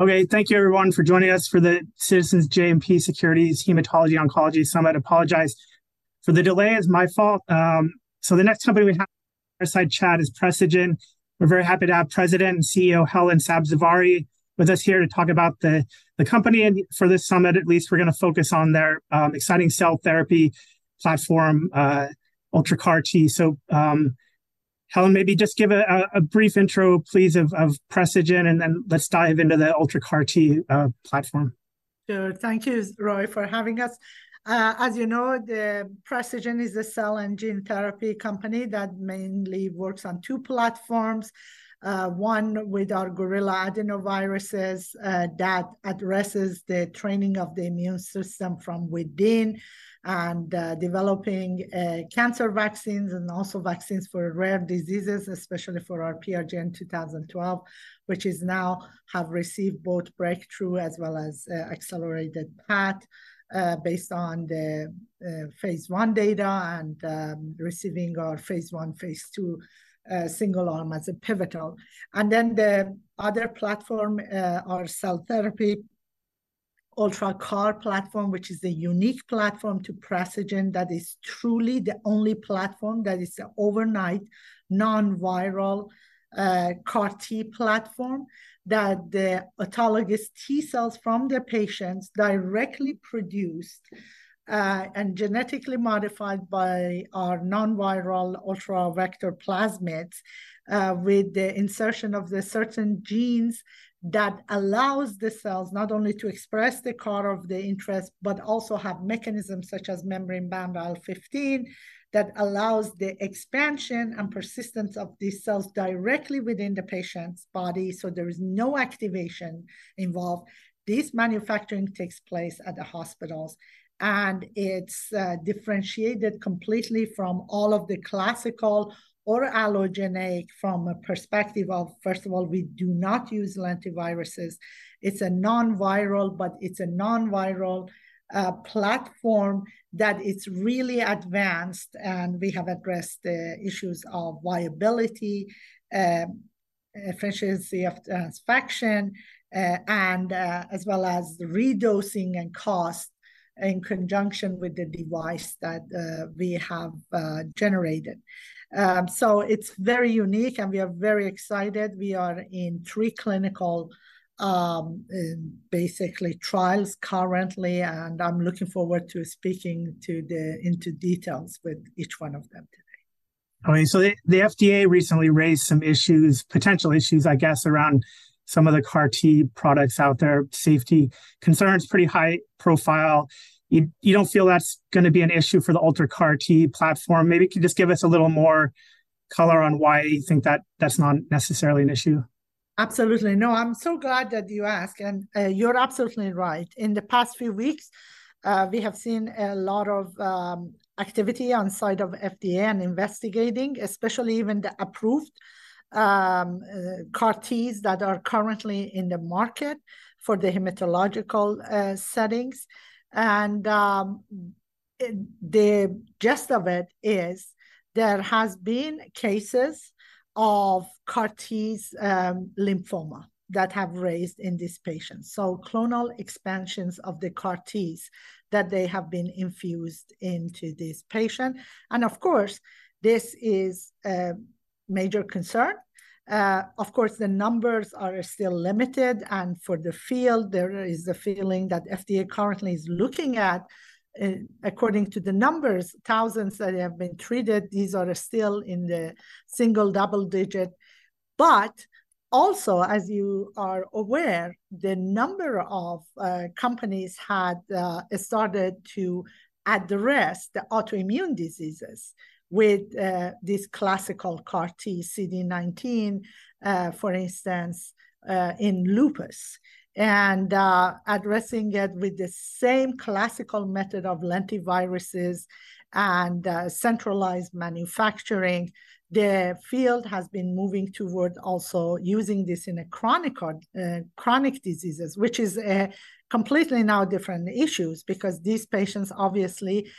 Okay, thank you everyone for joining us for the Citizens JMP Securities Hematology Oncology Summit. I apologize for the delay, it's my fault. So the next company we have our side chat is Precigen. We're very happy to have President and CEO, Helen Sabzevari, with us here to talk about the company, and for this summit at least, we're going to focus on their exciting cell therapy platform, UltraCAR-T. So, Helen, maybe just give a brief intro, please, of Precigen, and then let's dive into the UltraCAR-T platform. Sure. Thank you, Roy, for having us. As you know, the Precigen is a cell and gene therapy company that mainly works on two platforms, one with our gorilla adenoviruses, that addresses the training of the immune system from within, and developing cancer vaccines and also vaccines for rare diseases, especially for our PRGN-2012, which is now have received both breakthrough as well as accelerated path, based on the phase I data and receiving our phase I, phase II single arm as a pivotal. And then the other platform, our cell therapy, UltraCAR platform, which is a unique platform to Precigen, that is truly the only platform that is an overnight non-viral, CAR-T platform, that the autologous T-cells from the patients directly produced, and genetically modified by our non-viral UltraVector plasmid, with the insertion of the certain genes that allows the cells not only to express the CAR of the interest, but also have mechanisms such as membrane-bound IL-15, that allows the expansion and persistence of these cells directly within the patient's body, so there is no activation involved. This manufacturing takes place at the hospitals, and it's differentiated completely from all of the classical or allogeneic from a perspective of, first of all, we do not use lentiviruses. It's a non-viral platform that's really advanced, and we have addressed the issues of viability, efficiency of transfection, and as well as the redosing and cost in conjunction with the device that we have generated. So it's very unique, and we are very excited. We are in three clinical trials currently, and I'm looking forward to speaking into details with each one of them today. Okay, so the FDA recently raised some issues, potential issues, I guess, around some of the CAR-T products out there, safety concerns, pretty high profile. You don't feel that's going to be an issue for the UltraCAR-T platform? Maybe could you just give us a little more color on why you think that that's not necessarily an issue? Absolutely. No, I'm so glad that you asked, and, you're absolutely right. In the past few weeks, we have seen a lot of activity on side of FDA and investigating, especially even the approved CAR-Ts that are currently in the market for the hematological settings. And, the gist of it is, there has been cases of CAR-Ts lymphoma that have raised in these patients. So clonal expansions of the CAR-Ts, that they have been infused into this patient, and of course, this is a major concern. Of course, the numbers are still limited, and for the field, there is a feeling that FDA currently is looking at, according to the numbers, thousands that have been treated, these are still in the single double digit. But also, as you are aware, the number of companies had started to address the autoimmune diseases with this classical CAR-T CD19, for instance, in lupus. And addressing it with the same classical method of lentiviruses and centralized manufacturing, the field has been moving toward also using this in a chronic diseases, which is completely now different issues, because these patients, obviously,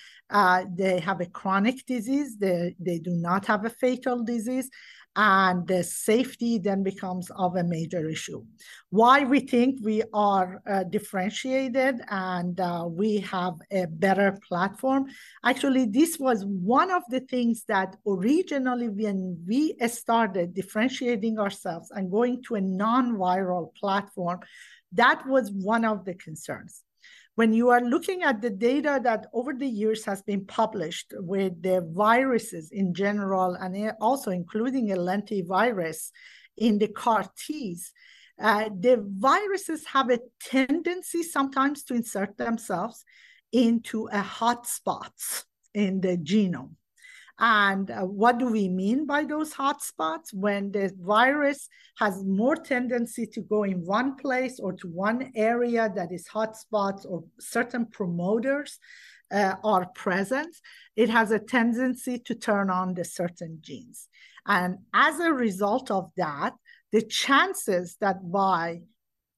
they have a chronic disease. They, they do not have a fatal disease, and the safety then becomes of a major issue. Why we think we are differentiated and we have a better platform? Actually, this was one of the things that originally when we started differentiating ourselves and going to a non-viral platform, that was one of the concerns. When you are looking at the data that over the years has been published with the viruses in general and also including a lentivirus in the CAR-Ts, the viruses have a tendency sometimes to insert themselves into a hotspot in the genome. And what do we mean by those hotspots? When the virus has more tendency to go in one place or to one area that is hotspots or certain promoters are present, it has a tendency to turn on the certain genes. And as a result of that, the chances that by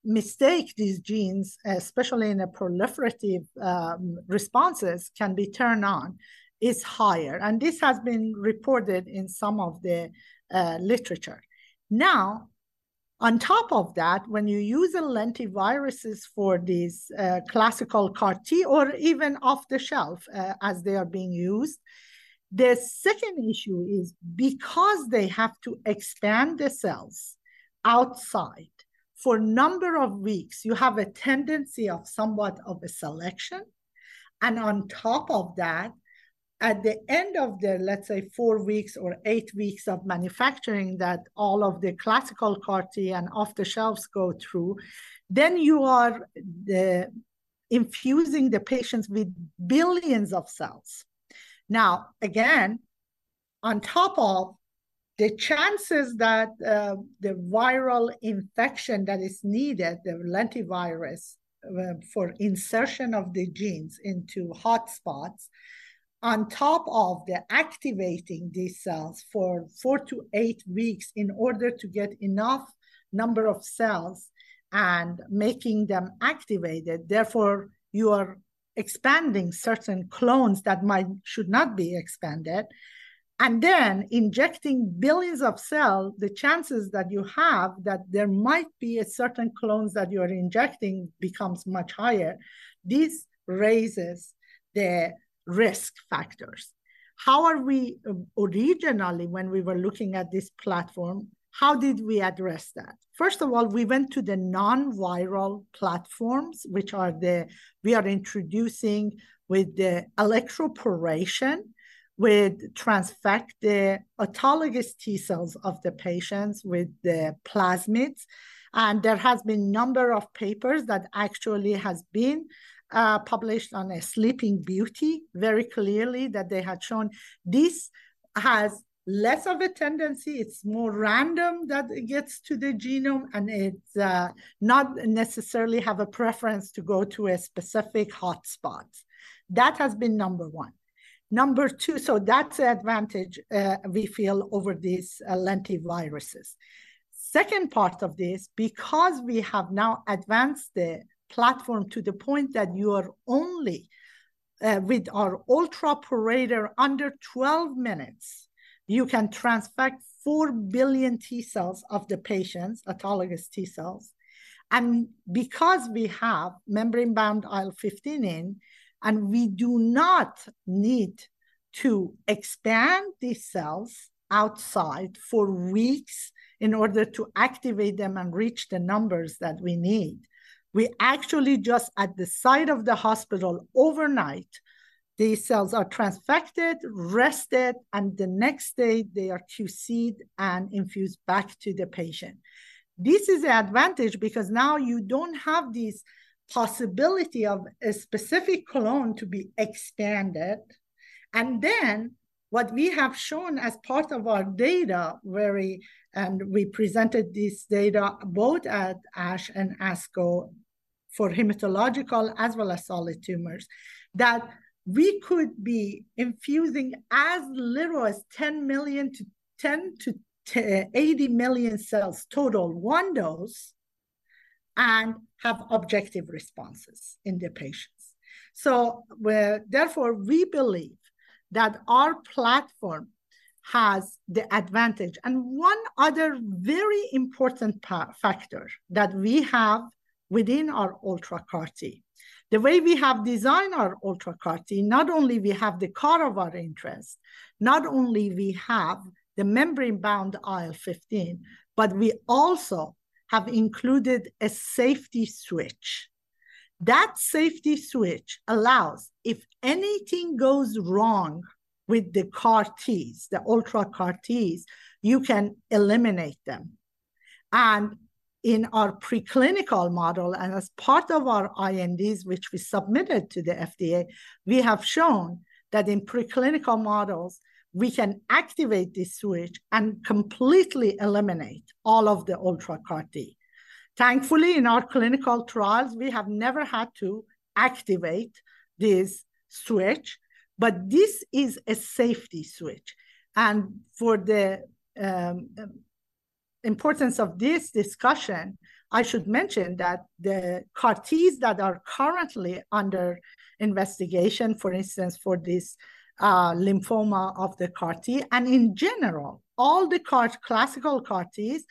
mistake, these genes, especially in a proliferative responses, can be turned on, is higher, and this has been reported in some of the literature. Now, on top of that, when you use the lentiviruses for these, classical CAR-T or even off-the-shelf, as they are being used, the second issue is because they have to expand the cells outside for a number of weeks, you have a tendency of somewhat of a selection. And on top of that, at the end of the, let's say, 4 weeks or 8 weeks of manufacturing that all of the classical CAR-T and off-the-shelf go through, then you are the infusing the patients with billions of cells. Now, again, on top of the chances that, the viral infection that is needed, the lentivirus, for insertion of the genes into hotspots, on top of the activating these cells for 4-8 weeks in order to get enough number of cells and making them activated, therefore, you are expanding certain clones that might should not be expanded, and then injecting billions of cell, the chances that you have that there might be a certain clones that you are injecting becomes much higher. This raises the risk factors. How are we originally, when we were looking at this platform, how did we address that? First of all, we went to the non-viral platforms, which are we are introducing with the electroporation, with transfect the autologous T-cells of the patients with the plasmids. There has been a number of papers that actually has been published on a Sleeping Beauty very clearly that they had shown this has less of a tendency, it's more random that it gets to the genome, and it not necessarily have a preference to go to a specific hotspot. That has been number one. Number two... So that's the advantage we feel over these lentiviruses. Second part of this, because we have now advanced the platform to the point that you are only with our UltraPorator, under 12 minutes, you can transfect 4 billion T cells of the patient's autologous T cells. Because we have membrane-bound IL-15 in, and we do not need to expand these cells outside for weeks in order to activate them and reach the numbers that we need, we actually just at the site of the hospital overnight, these cells are transfected, rested, and the next day they are QC'd and infused back to the patient. This is an advantage because now you don't have this possibility of a specific clone to be expanded. What we have shown as part of our data, very, and we presented this data both at ASH and ASCO for hematological as well as solid tumors, that we could be infusing as little as 10 million-80 million cells total, one dose, and have objective responses in the patients. So therefore, we believe that our platform has the advantage. And one other very important factor that we have within our UltraCAR-T, the way we have designed our UltraCAR-T, not only we have the CAR of our interest, not only we have the membrane-bound IL-15, but we also have included a safety switch. That safety switch allows, if anything goes wrong with the CAR-Ts, the UltraCAR-Ts, you can eliminate them. And in our preclinical model, and as part of our INDs, which we submitted to the FDA, we have shown that in preclinical models, we can activate this switch and completely eliminate all of the UltraCAR-T. Thankfully, in our clinical trials, we have never had to activate this switch, but this is a safety switch. For the importance of this discussion, I should mention that the CAR-Ts that are currently under investigation, for instance, for this lymphoma of the CAR-T, and in general, all the CAR classical CAR-Ts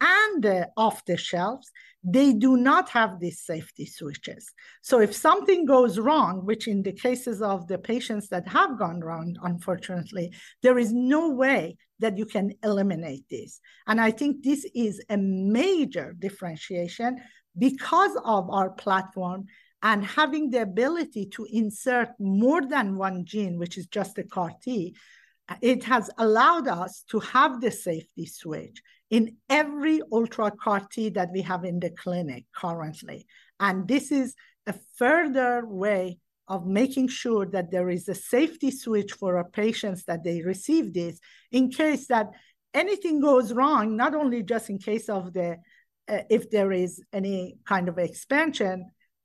and the off-the-shelf, they do not have these safety switches. So if something goes wrong, which in the cases of the patients that have gone wrong, unfortunately, there is no way that you can eliminate this. And I think this is a major differentiation because of our platform and having the ability to insert more than one gene, which is just a CAR-T, it has allowed us to have the safety switch in every UltraCAR-T that we have in the clinic currently. And this is a further way of making sure that there is a safety switch for our patients that they receive this, in case that anything goes wrong, not only just in case of the if there is any kind of expansion,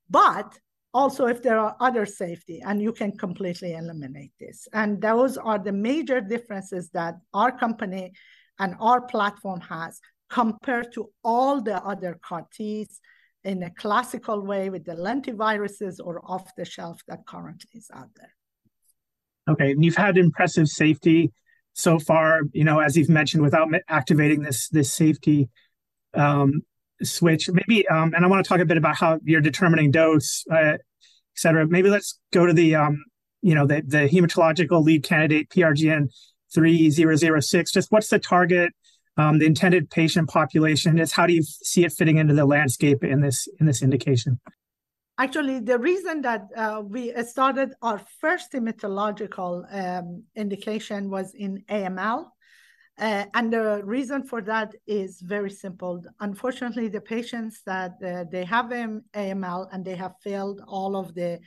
but also if there are other safety, and you can completely eliminate this. And those are the major differences that our company and our platform has, compared to all the other CAR-Ts in a classical way with the lentiviruses or off-the-shelf that currently is out there. Okay, and you've had impressive safety so far, you know, as you've mentioned, without activating this, this safety switch. Maybe and I want to talk a bit about how you're determining dose, et cetera. Maybe let's go to the, you know, the, the hematological lead candidate, PRGN-3006. Just what's the target, the intended patient population is? How do you see it fitting into the landscape in this, in this indication? Actually, the reason that we started our first hematological indication was in AML, and the reason for that is very simple. Unfortunately, the patients that they have AML, and they have failed all of the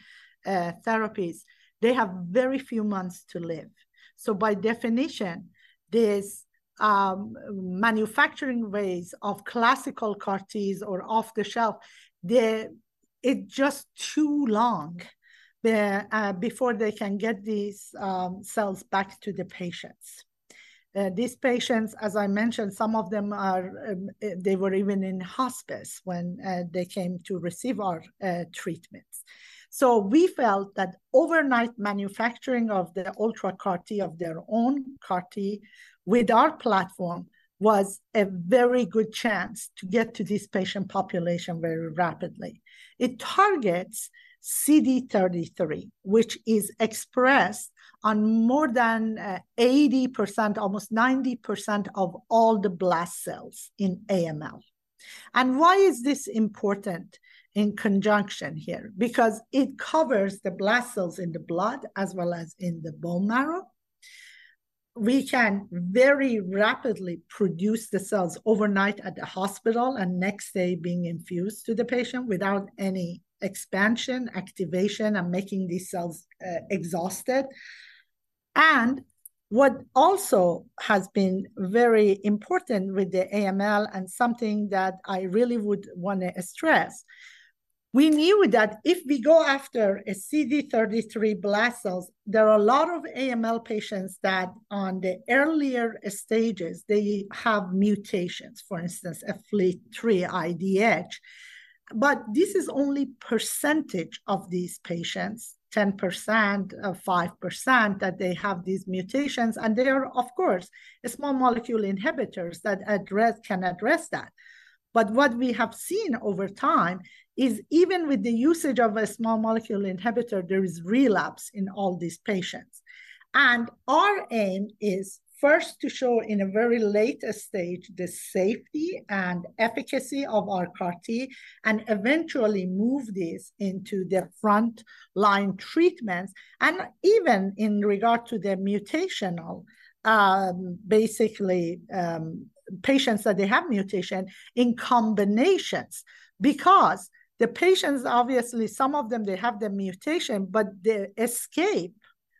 therapies, they have very few months to live. So by definition, these manufacturing ways of classical CAR-Ts or off-the-shelf, it's just too long, the before they can get these cells back to the patients. These patients, as I mentioned, some of them they were even in hospice when they came to receive our treatments. So we felt that overnight manufacturing of the UltraCAR-T of their own CAR-T with our platform was a very good chance to get to this patient population very rapidly. It targets CD33, which is expressed on more than 80%, almost 90% of all the blast cells in AML. And why is this important in conjunction here? Because it covers the blast cells in the blood as well as in the bone marrow. We can very rapidly produce the cells overnight at the hospital, and next day being infused to the patient without any expansion, activation, and making these cells, exhausted. And what also has been very important with the AML, and something that I really would want to stress, we knew that if we go after a CD33 blast cells, there are a lot of AML patients that, on the earlier stages, they have mutations, for instance, FLT3 IDH. But this is only percentage of these patients, 10%, 5%, that they have these mutations, and there are, of course, a small molecule inhibitors that address, can address that. But what we have seen over time is, even with the usage of a small molecule inhibitor, there is relapse in all these patients. And our aim is first to show in a very late stage the safety and efficacy of our CAR-T, and eventually move this into the front-line treatments, and even in regard to the mutational, basically, patients that they have mutation in combinations. Because the patients, obviously, some of them, they have the mutation, but the escape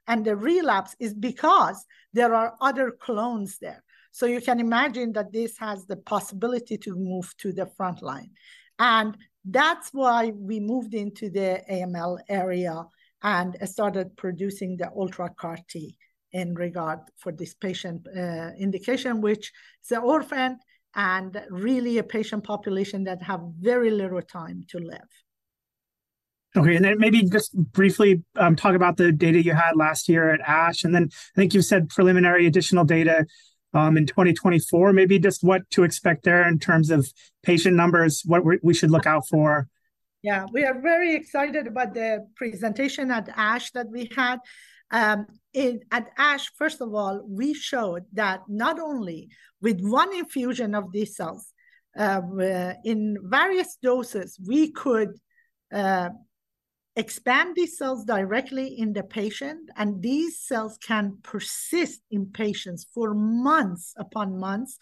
and the relapse is because there are other clones there. You can imagine that this has the possibility to move to the front line, and that's why we moved into the AML area and started producing the UltraCAR-T in regard for this patient indication, which is an orphan and really a patient population that have very little time to live. Okay, and then maybe just briefly, talk about the data you had last year at ASH, and then I think you said preliminary additional data in 2024. Maybe just what to expect there in terms of patient numbers, what we should look out for? Yeah, we are very excited about the presentation at ASH that we had. At ASH, first of all, we showed that not only with one infusion of these cells in various doses, we could expand these cells directly in the patient, and these cells can persist in patients for months upon months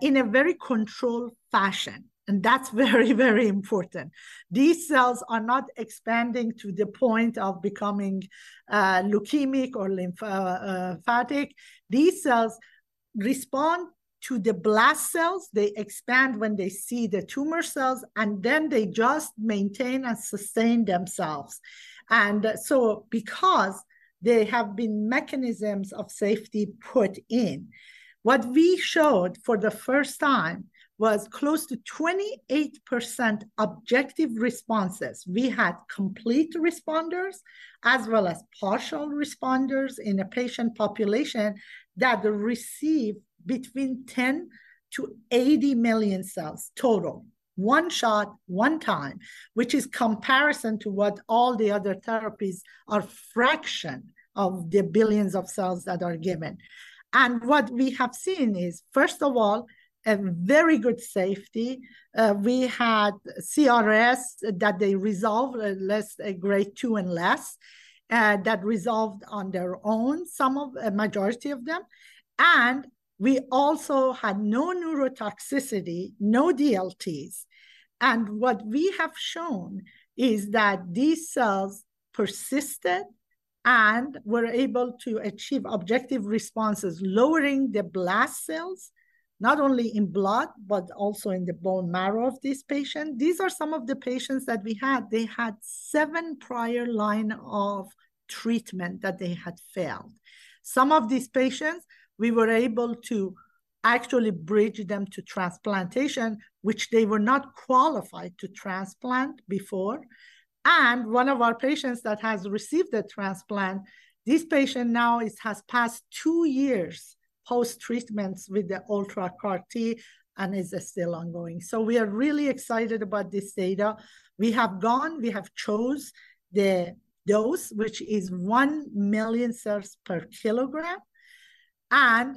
in a very controlled fashion, and that's very, very important. These cells are not expanding to the point of becoming leukemic or lymphatic. These cells respond to the blast cells. They expand when they see the tumor cells, and then they just maintain and sustain themselves. And so because there have been mechanisms of safety put in, what we showed for the first time was close to 28% objective responses. We had complete responders, as well as partial responders in a patient population that received between 10 million-80 million cells, total. One shot, one time, which is comparison to what all the other therapies are fraction of the billions of cells that are given. What we have seen is, first of all, a very good safety. We had CRS, that they resolved at less a Grade 2 and less, that resolved on their own, some of a majority of them. We also had no neurotoxicity, no DLTs, and what we have shown is that these cells persisted and were able to achieve objective responses, lowering the blast cells, not only in blood, but also in the bone marrow of this patient. These are some of the patients that we had. They had seven prior line of treatment that they had failed. Some of these patients, we were able to actually bridge them to transplantation, which they were not qualified to transplant before. One of our patients that has received a transplant, this patient now has passed 2 years post-treatments with the UltraCAR-T and is still ongoing. So we are really excited about this data. We have gone, we have chose the dose, which is 1 million cells per kilogram, and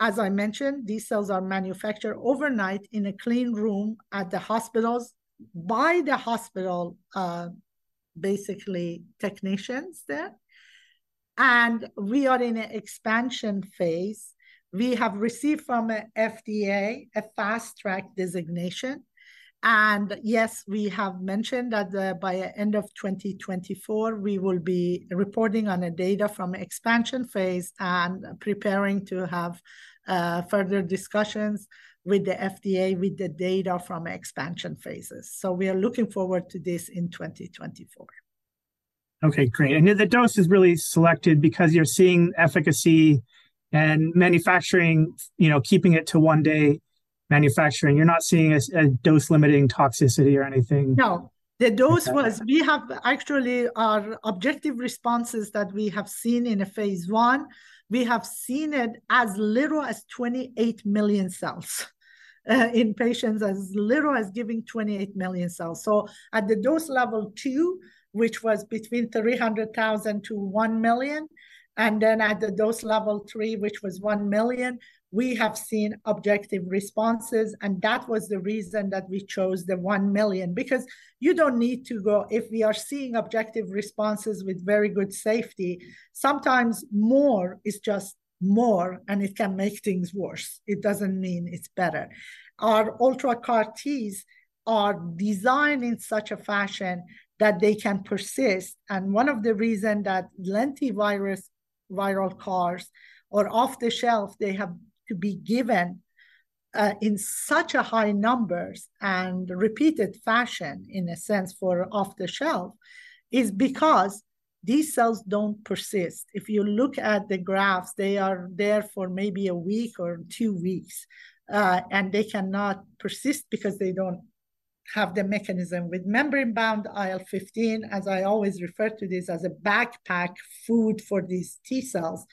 as I mentioned, these cells are manufactured overnight in a clean room at the hospitals by the hospital, basically technicians there. We are in an expansion phase. We have received from the FDA a Fast Track designation, and yes, we have mentioned that, by end of 2024, we will be reporting on the data from expansion phase and preparing to have, further discussions with the FDA with the data from expansion phases. We are looking forward to this in 2024. Okay, great. The dose is really selected because you're seeing efficacy and manufacturing, you know, keeping it to one-day manufacturing. You're not seeing a dose-limiting toxicity or anything? No, the dose was we have actually, objective responses that we have seen in the phase I. We have seen it as little as 28 million cells, in patients as little as giving 28 million cells. So at the dose level 2, which was between 300,000-1 million, and then at the dose level 3, which was 1 million, we have seen objective responses, and that was the reason that we chose the 1 million. Because you don't need to go... If we are seeing objective responses with very good safety, sometimes more is just more, and it can make things worse. It doesn't mean it's better. Our UltraCAR-Ts are designed in such a fashion that they can persist, and one of the reason that lentivirus viral CARs are off-the-shelf, they have to be given, in such a high numbers and repeated fashion, in a sense, for off-the-shelf, is because these cells don't persist. If you look at the graphs, they are there for maybe a week or two weeks, and they cannot persist because they don't have the mechanism. With membrane-bound IL-15, as I always refer to this, as a backpack food for these T-cells,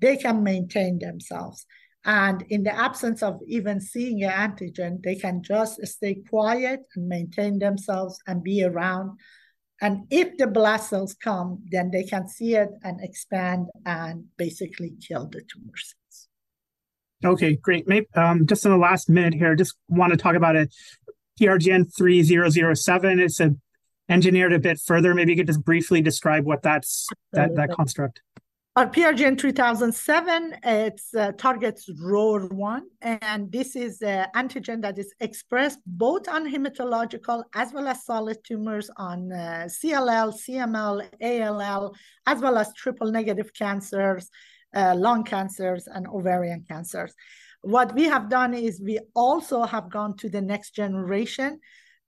they can maintain themselves, and in the absence of even seeing an antigen, they can just stay quiet and maintain themselves and be around. And if the blast cells come, then they can see it and expand and basically kill the tumor cells. Okay, great. Just in the last minute here, just wanna talk about PRGN-3007. It's engineered a bit further. Maybe you could just briefly describe what that's- Okay... that construct. Our PRGN-3007, it targets ROR1, and this is an antigen that is expressed both on hematological as well as solid tumors on CLL, CML, ALL, as well as triple-negative cancers, lung cancers, and ovarian cancers. What we have done is we also have gone to the next generation.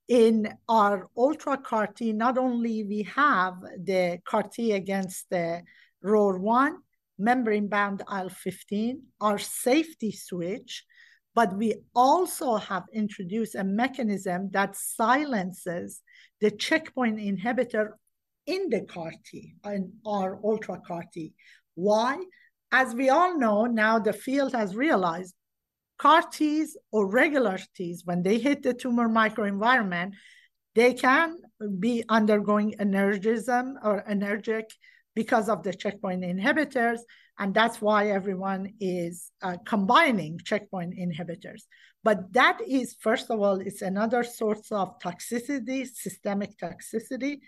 In our UltraCAR-T, not only we have the CAR-T against the ROR1 membrane-bound IL-15, our safety switch, but we also have introduced a mechanism that silences the checkpoint inhibitor in the CAR-T, in our UltraCAR-T. Why? As we all know, now the field has realized, CAR-Ts or regular Ts, when they hit the tumor microenvironment, they can be undergoing anergy or anergic because of the checkpoint inhibitors, and that's why everyone is combining checkpoint inhibitors. But that is, first of all, it's another source of toxicity, systemic toxicity,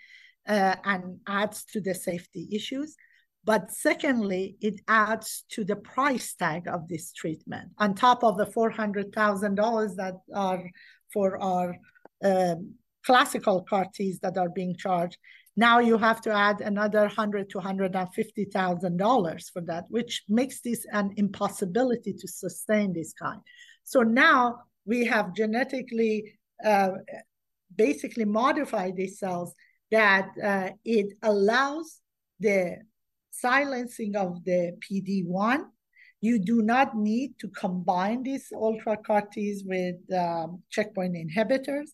and adds to the safety issues. But secondly, it adds to the price tag of this treatment. On top of the $400,000 that are for our classical CAR-Ts that are being charged, now you have to add another $100,000-$150,000 for that, which makes this an impossibility to sustain this kind. So now we have genetically basically modified these cells that it allows the silencing of the PD-1. You do not need to combine these UltraCAR-Ts with checkpoint inhibitors,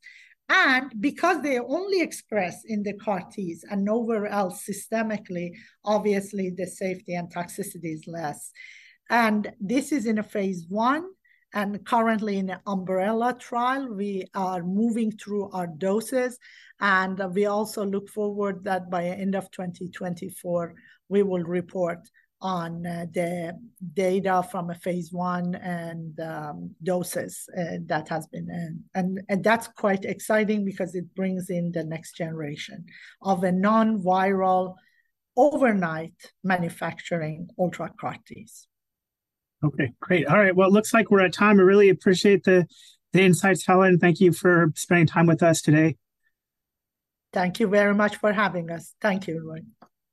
and because they are only expressed in the CAR-Ts and nowhere else systemically, obviously, the safety and toxicity is less. And this is in a phase I, and currently in an umbrella trial. We are moving through our doses, and we also look forward that by end of 2024, we will report on the data from a phase I and doses that has been in. And that's quite exciting because it brings in the next generation of a non-viral, overnight manufacturing UltraCAR-Ts. Okay, great. All right, well, it looks like we're out of time. I really appreciate the insights, Helen. Thank you for spending time with us today. Thank you very much for having us. Thank you, Roy.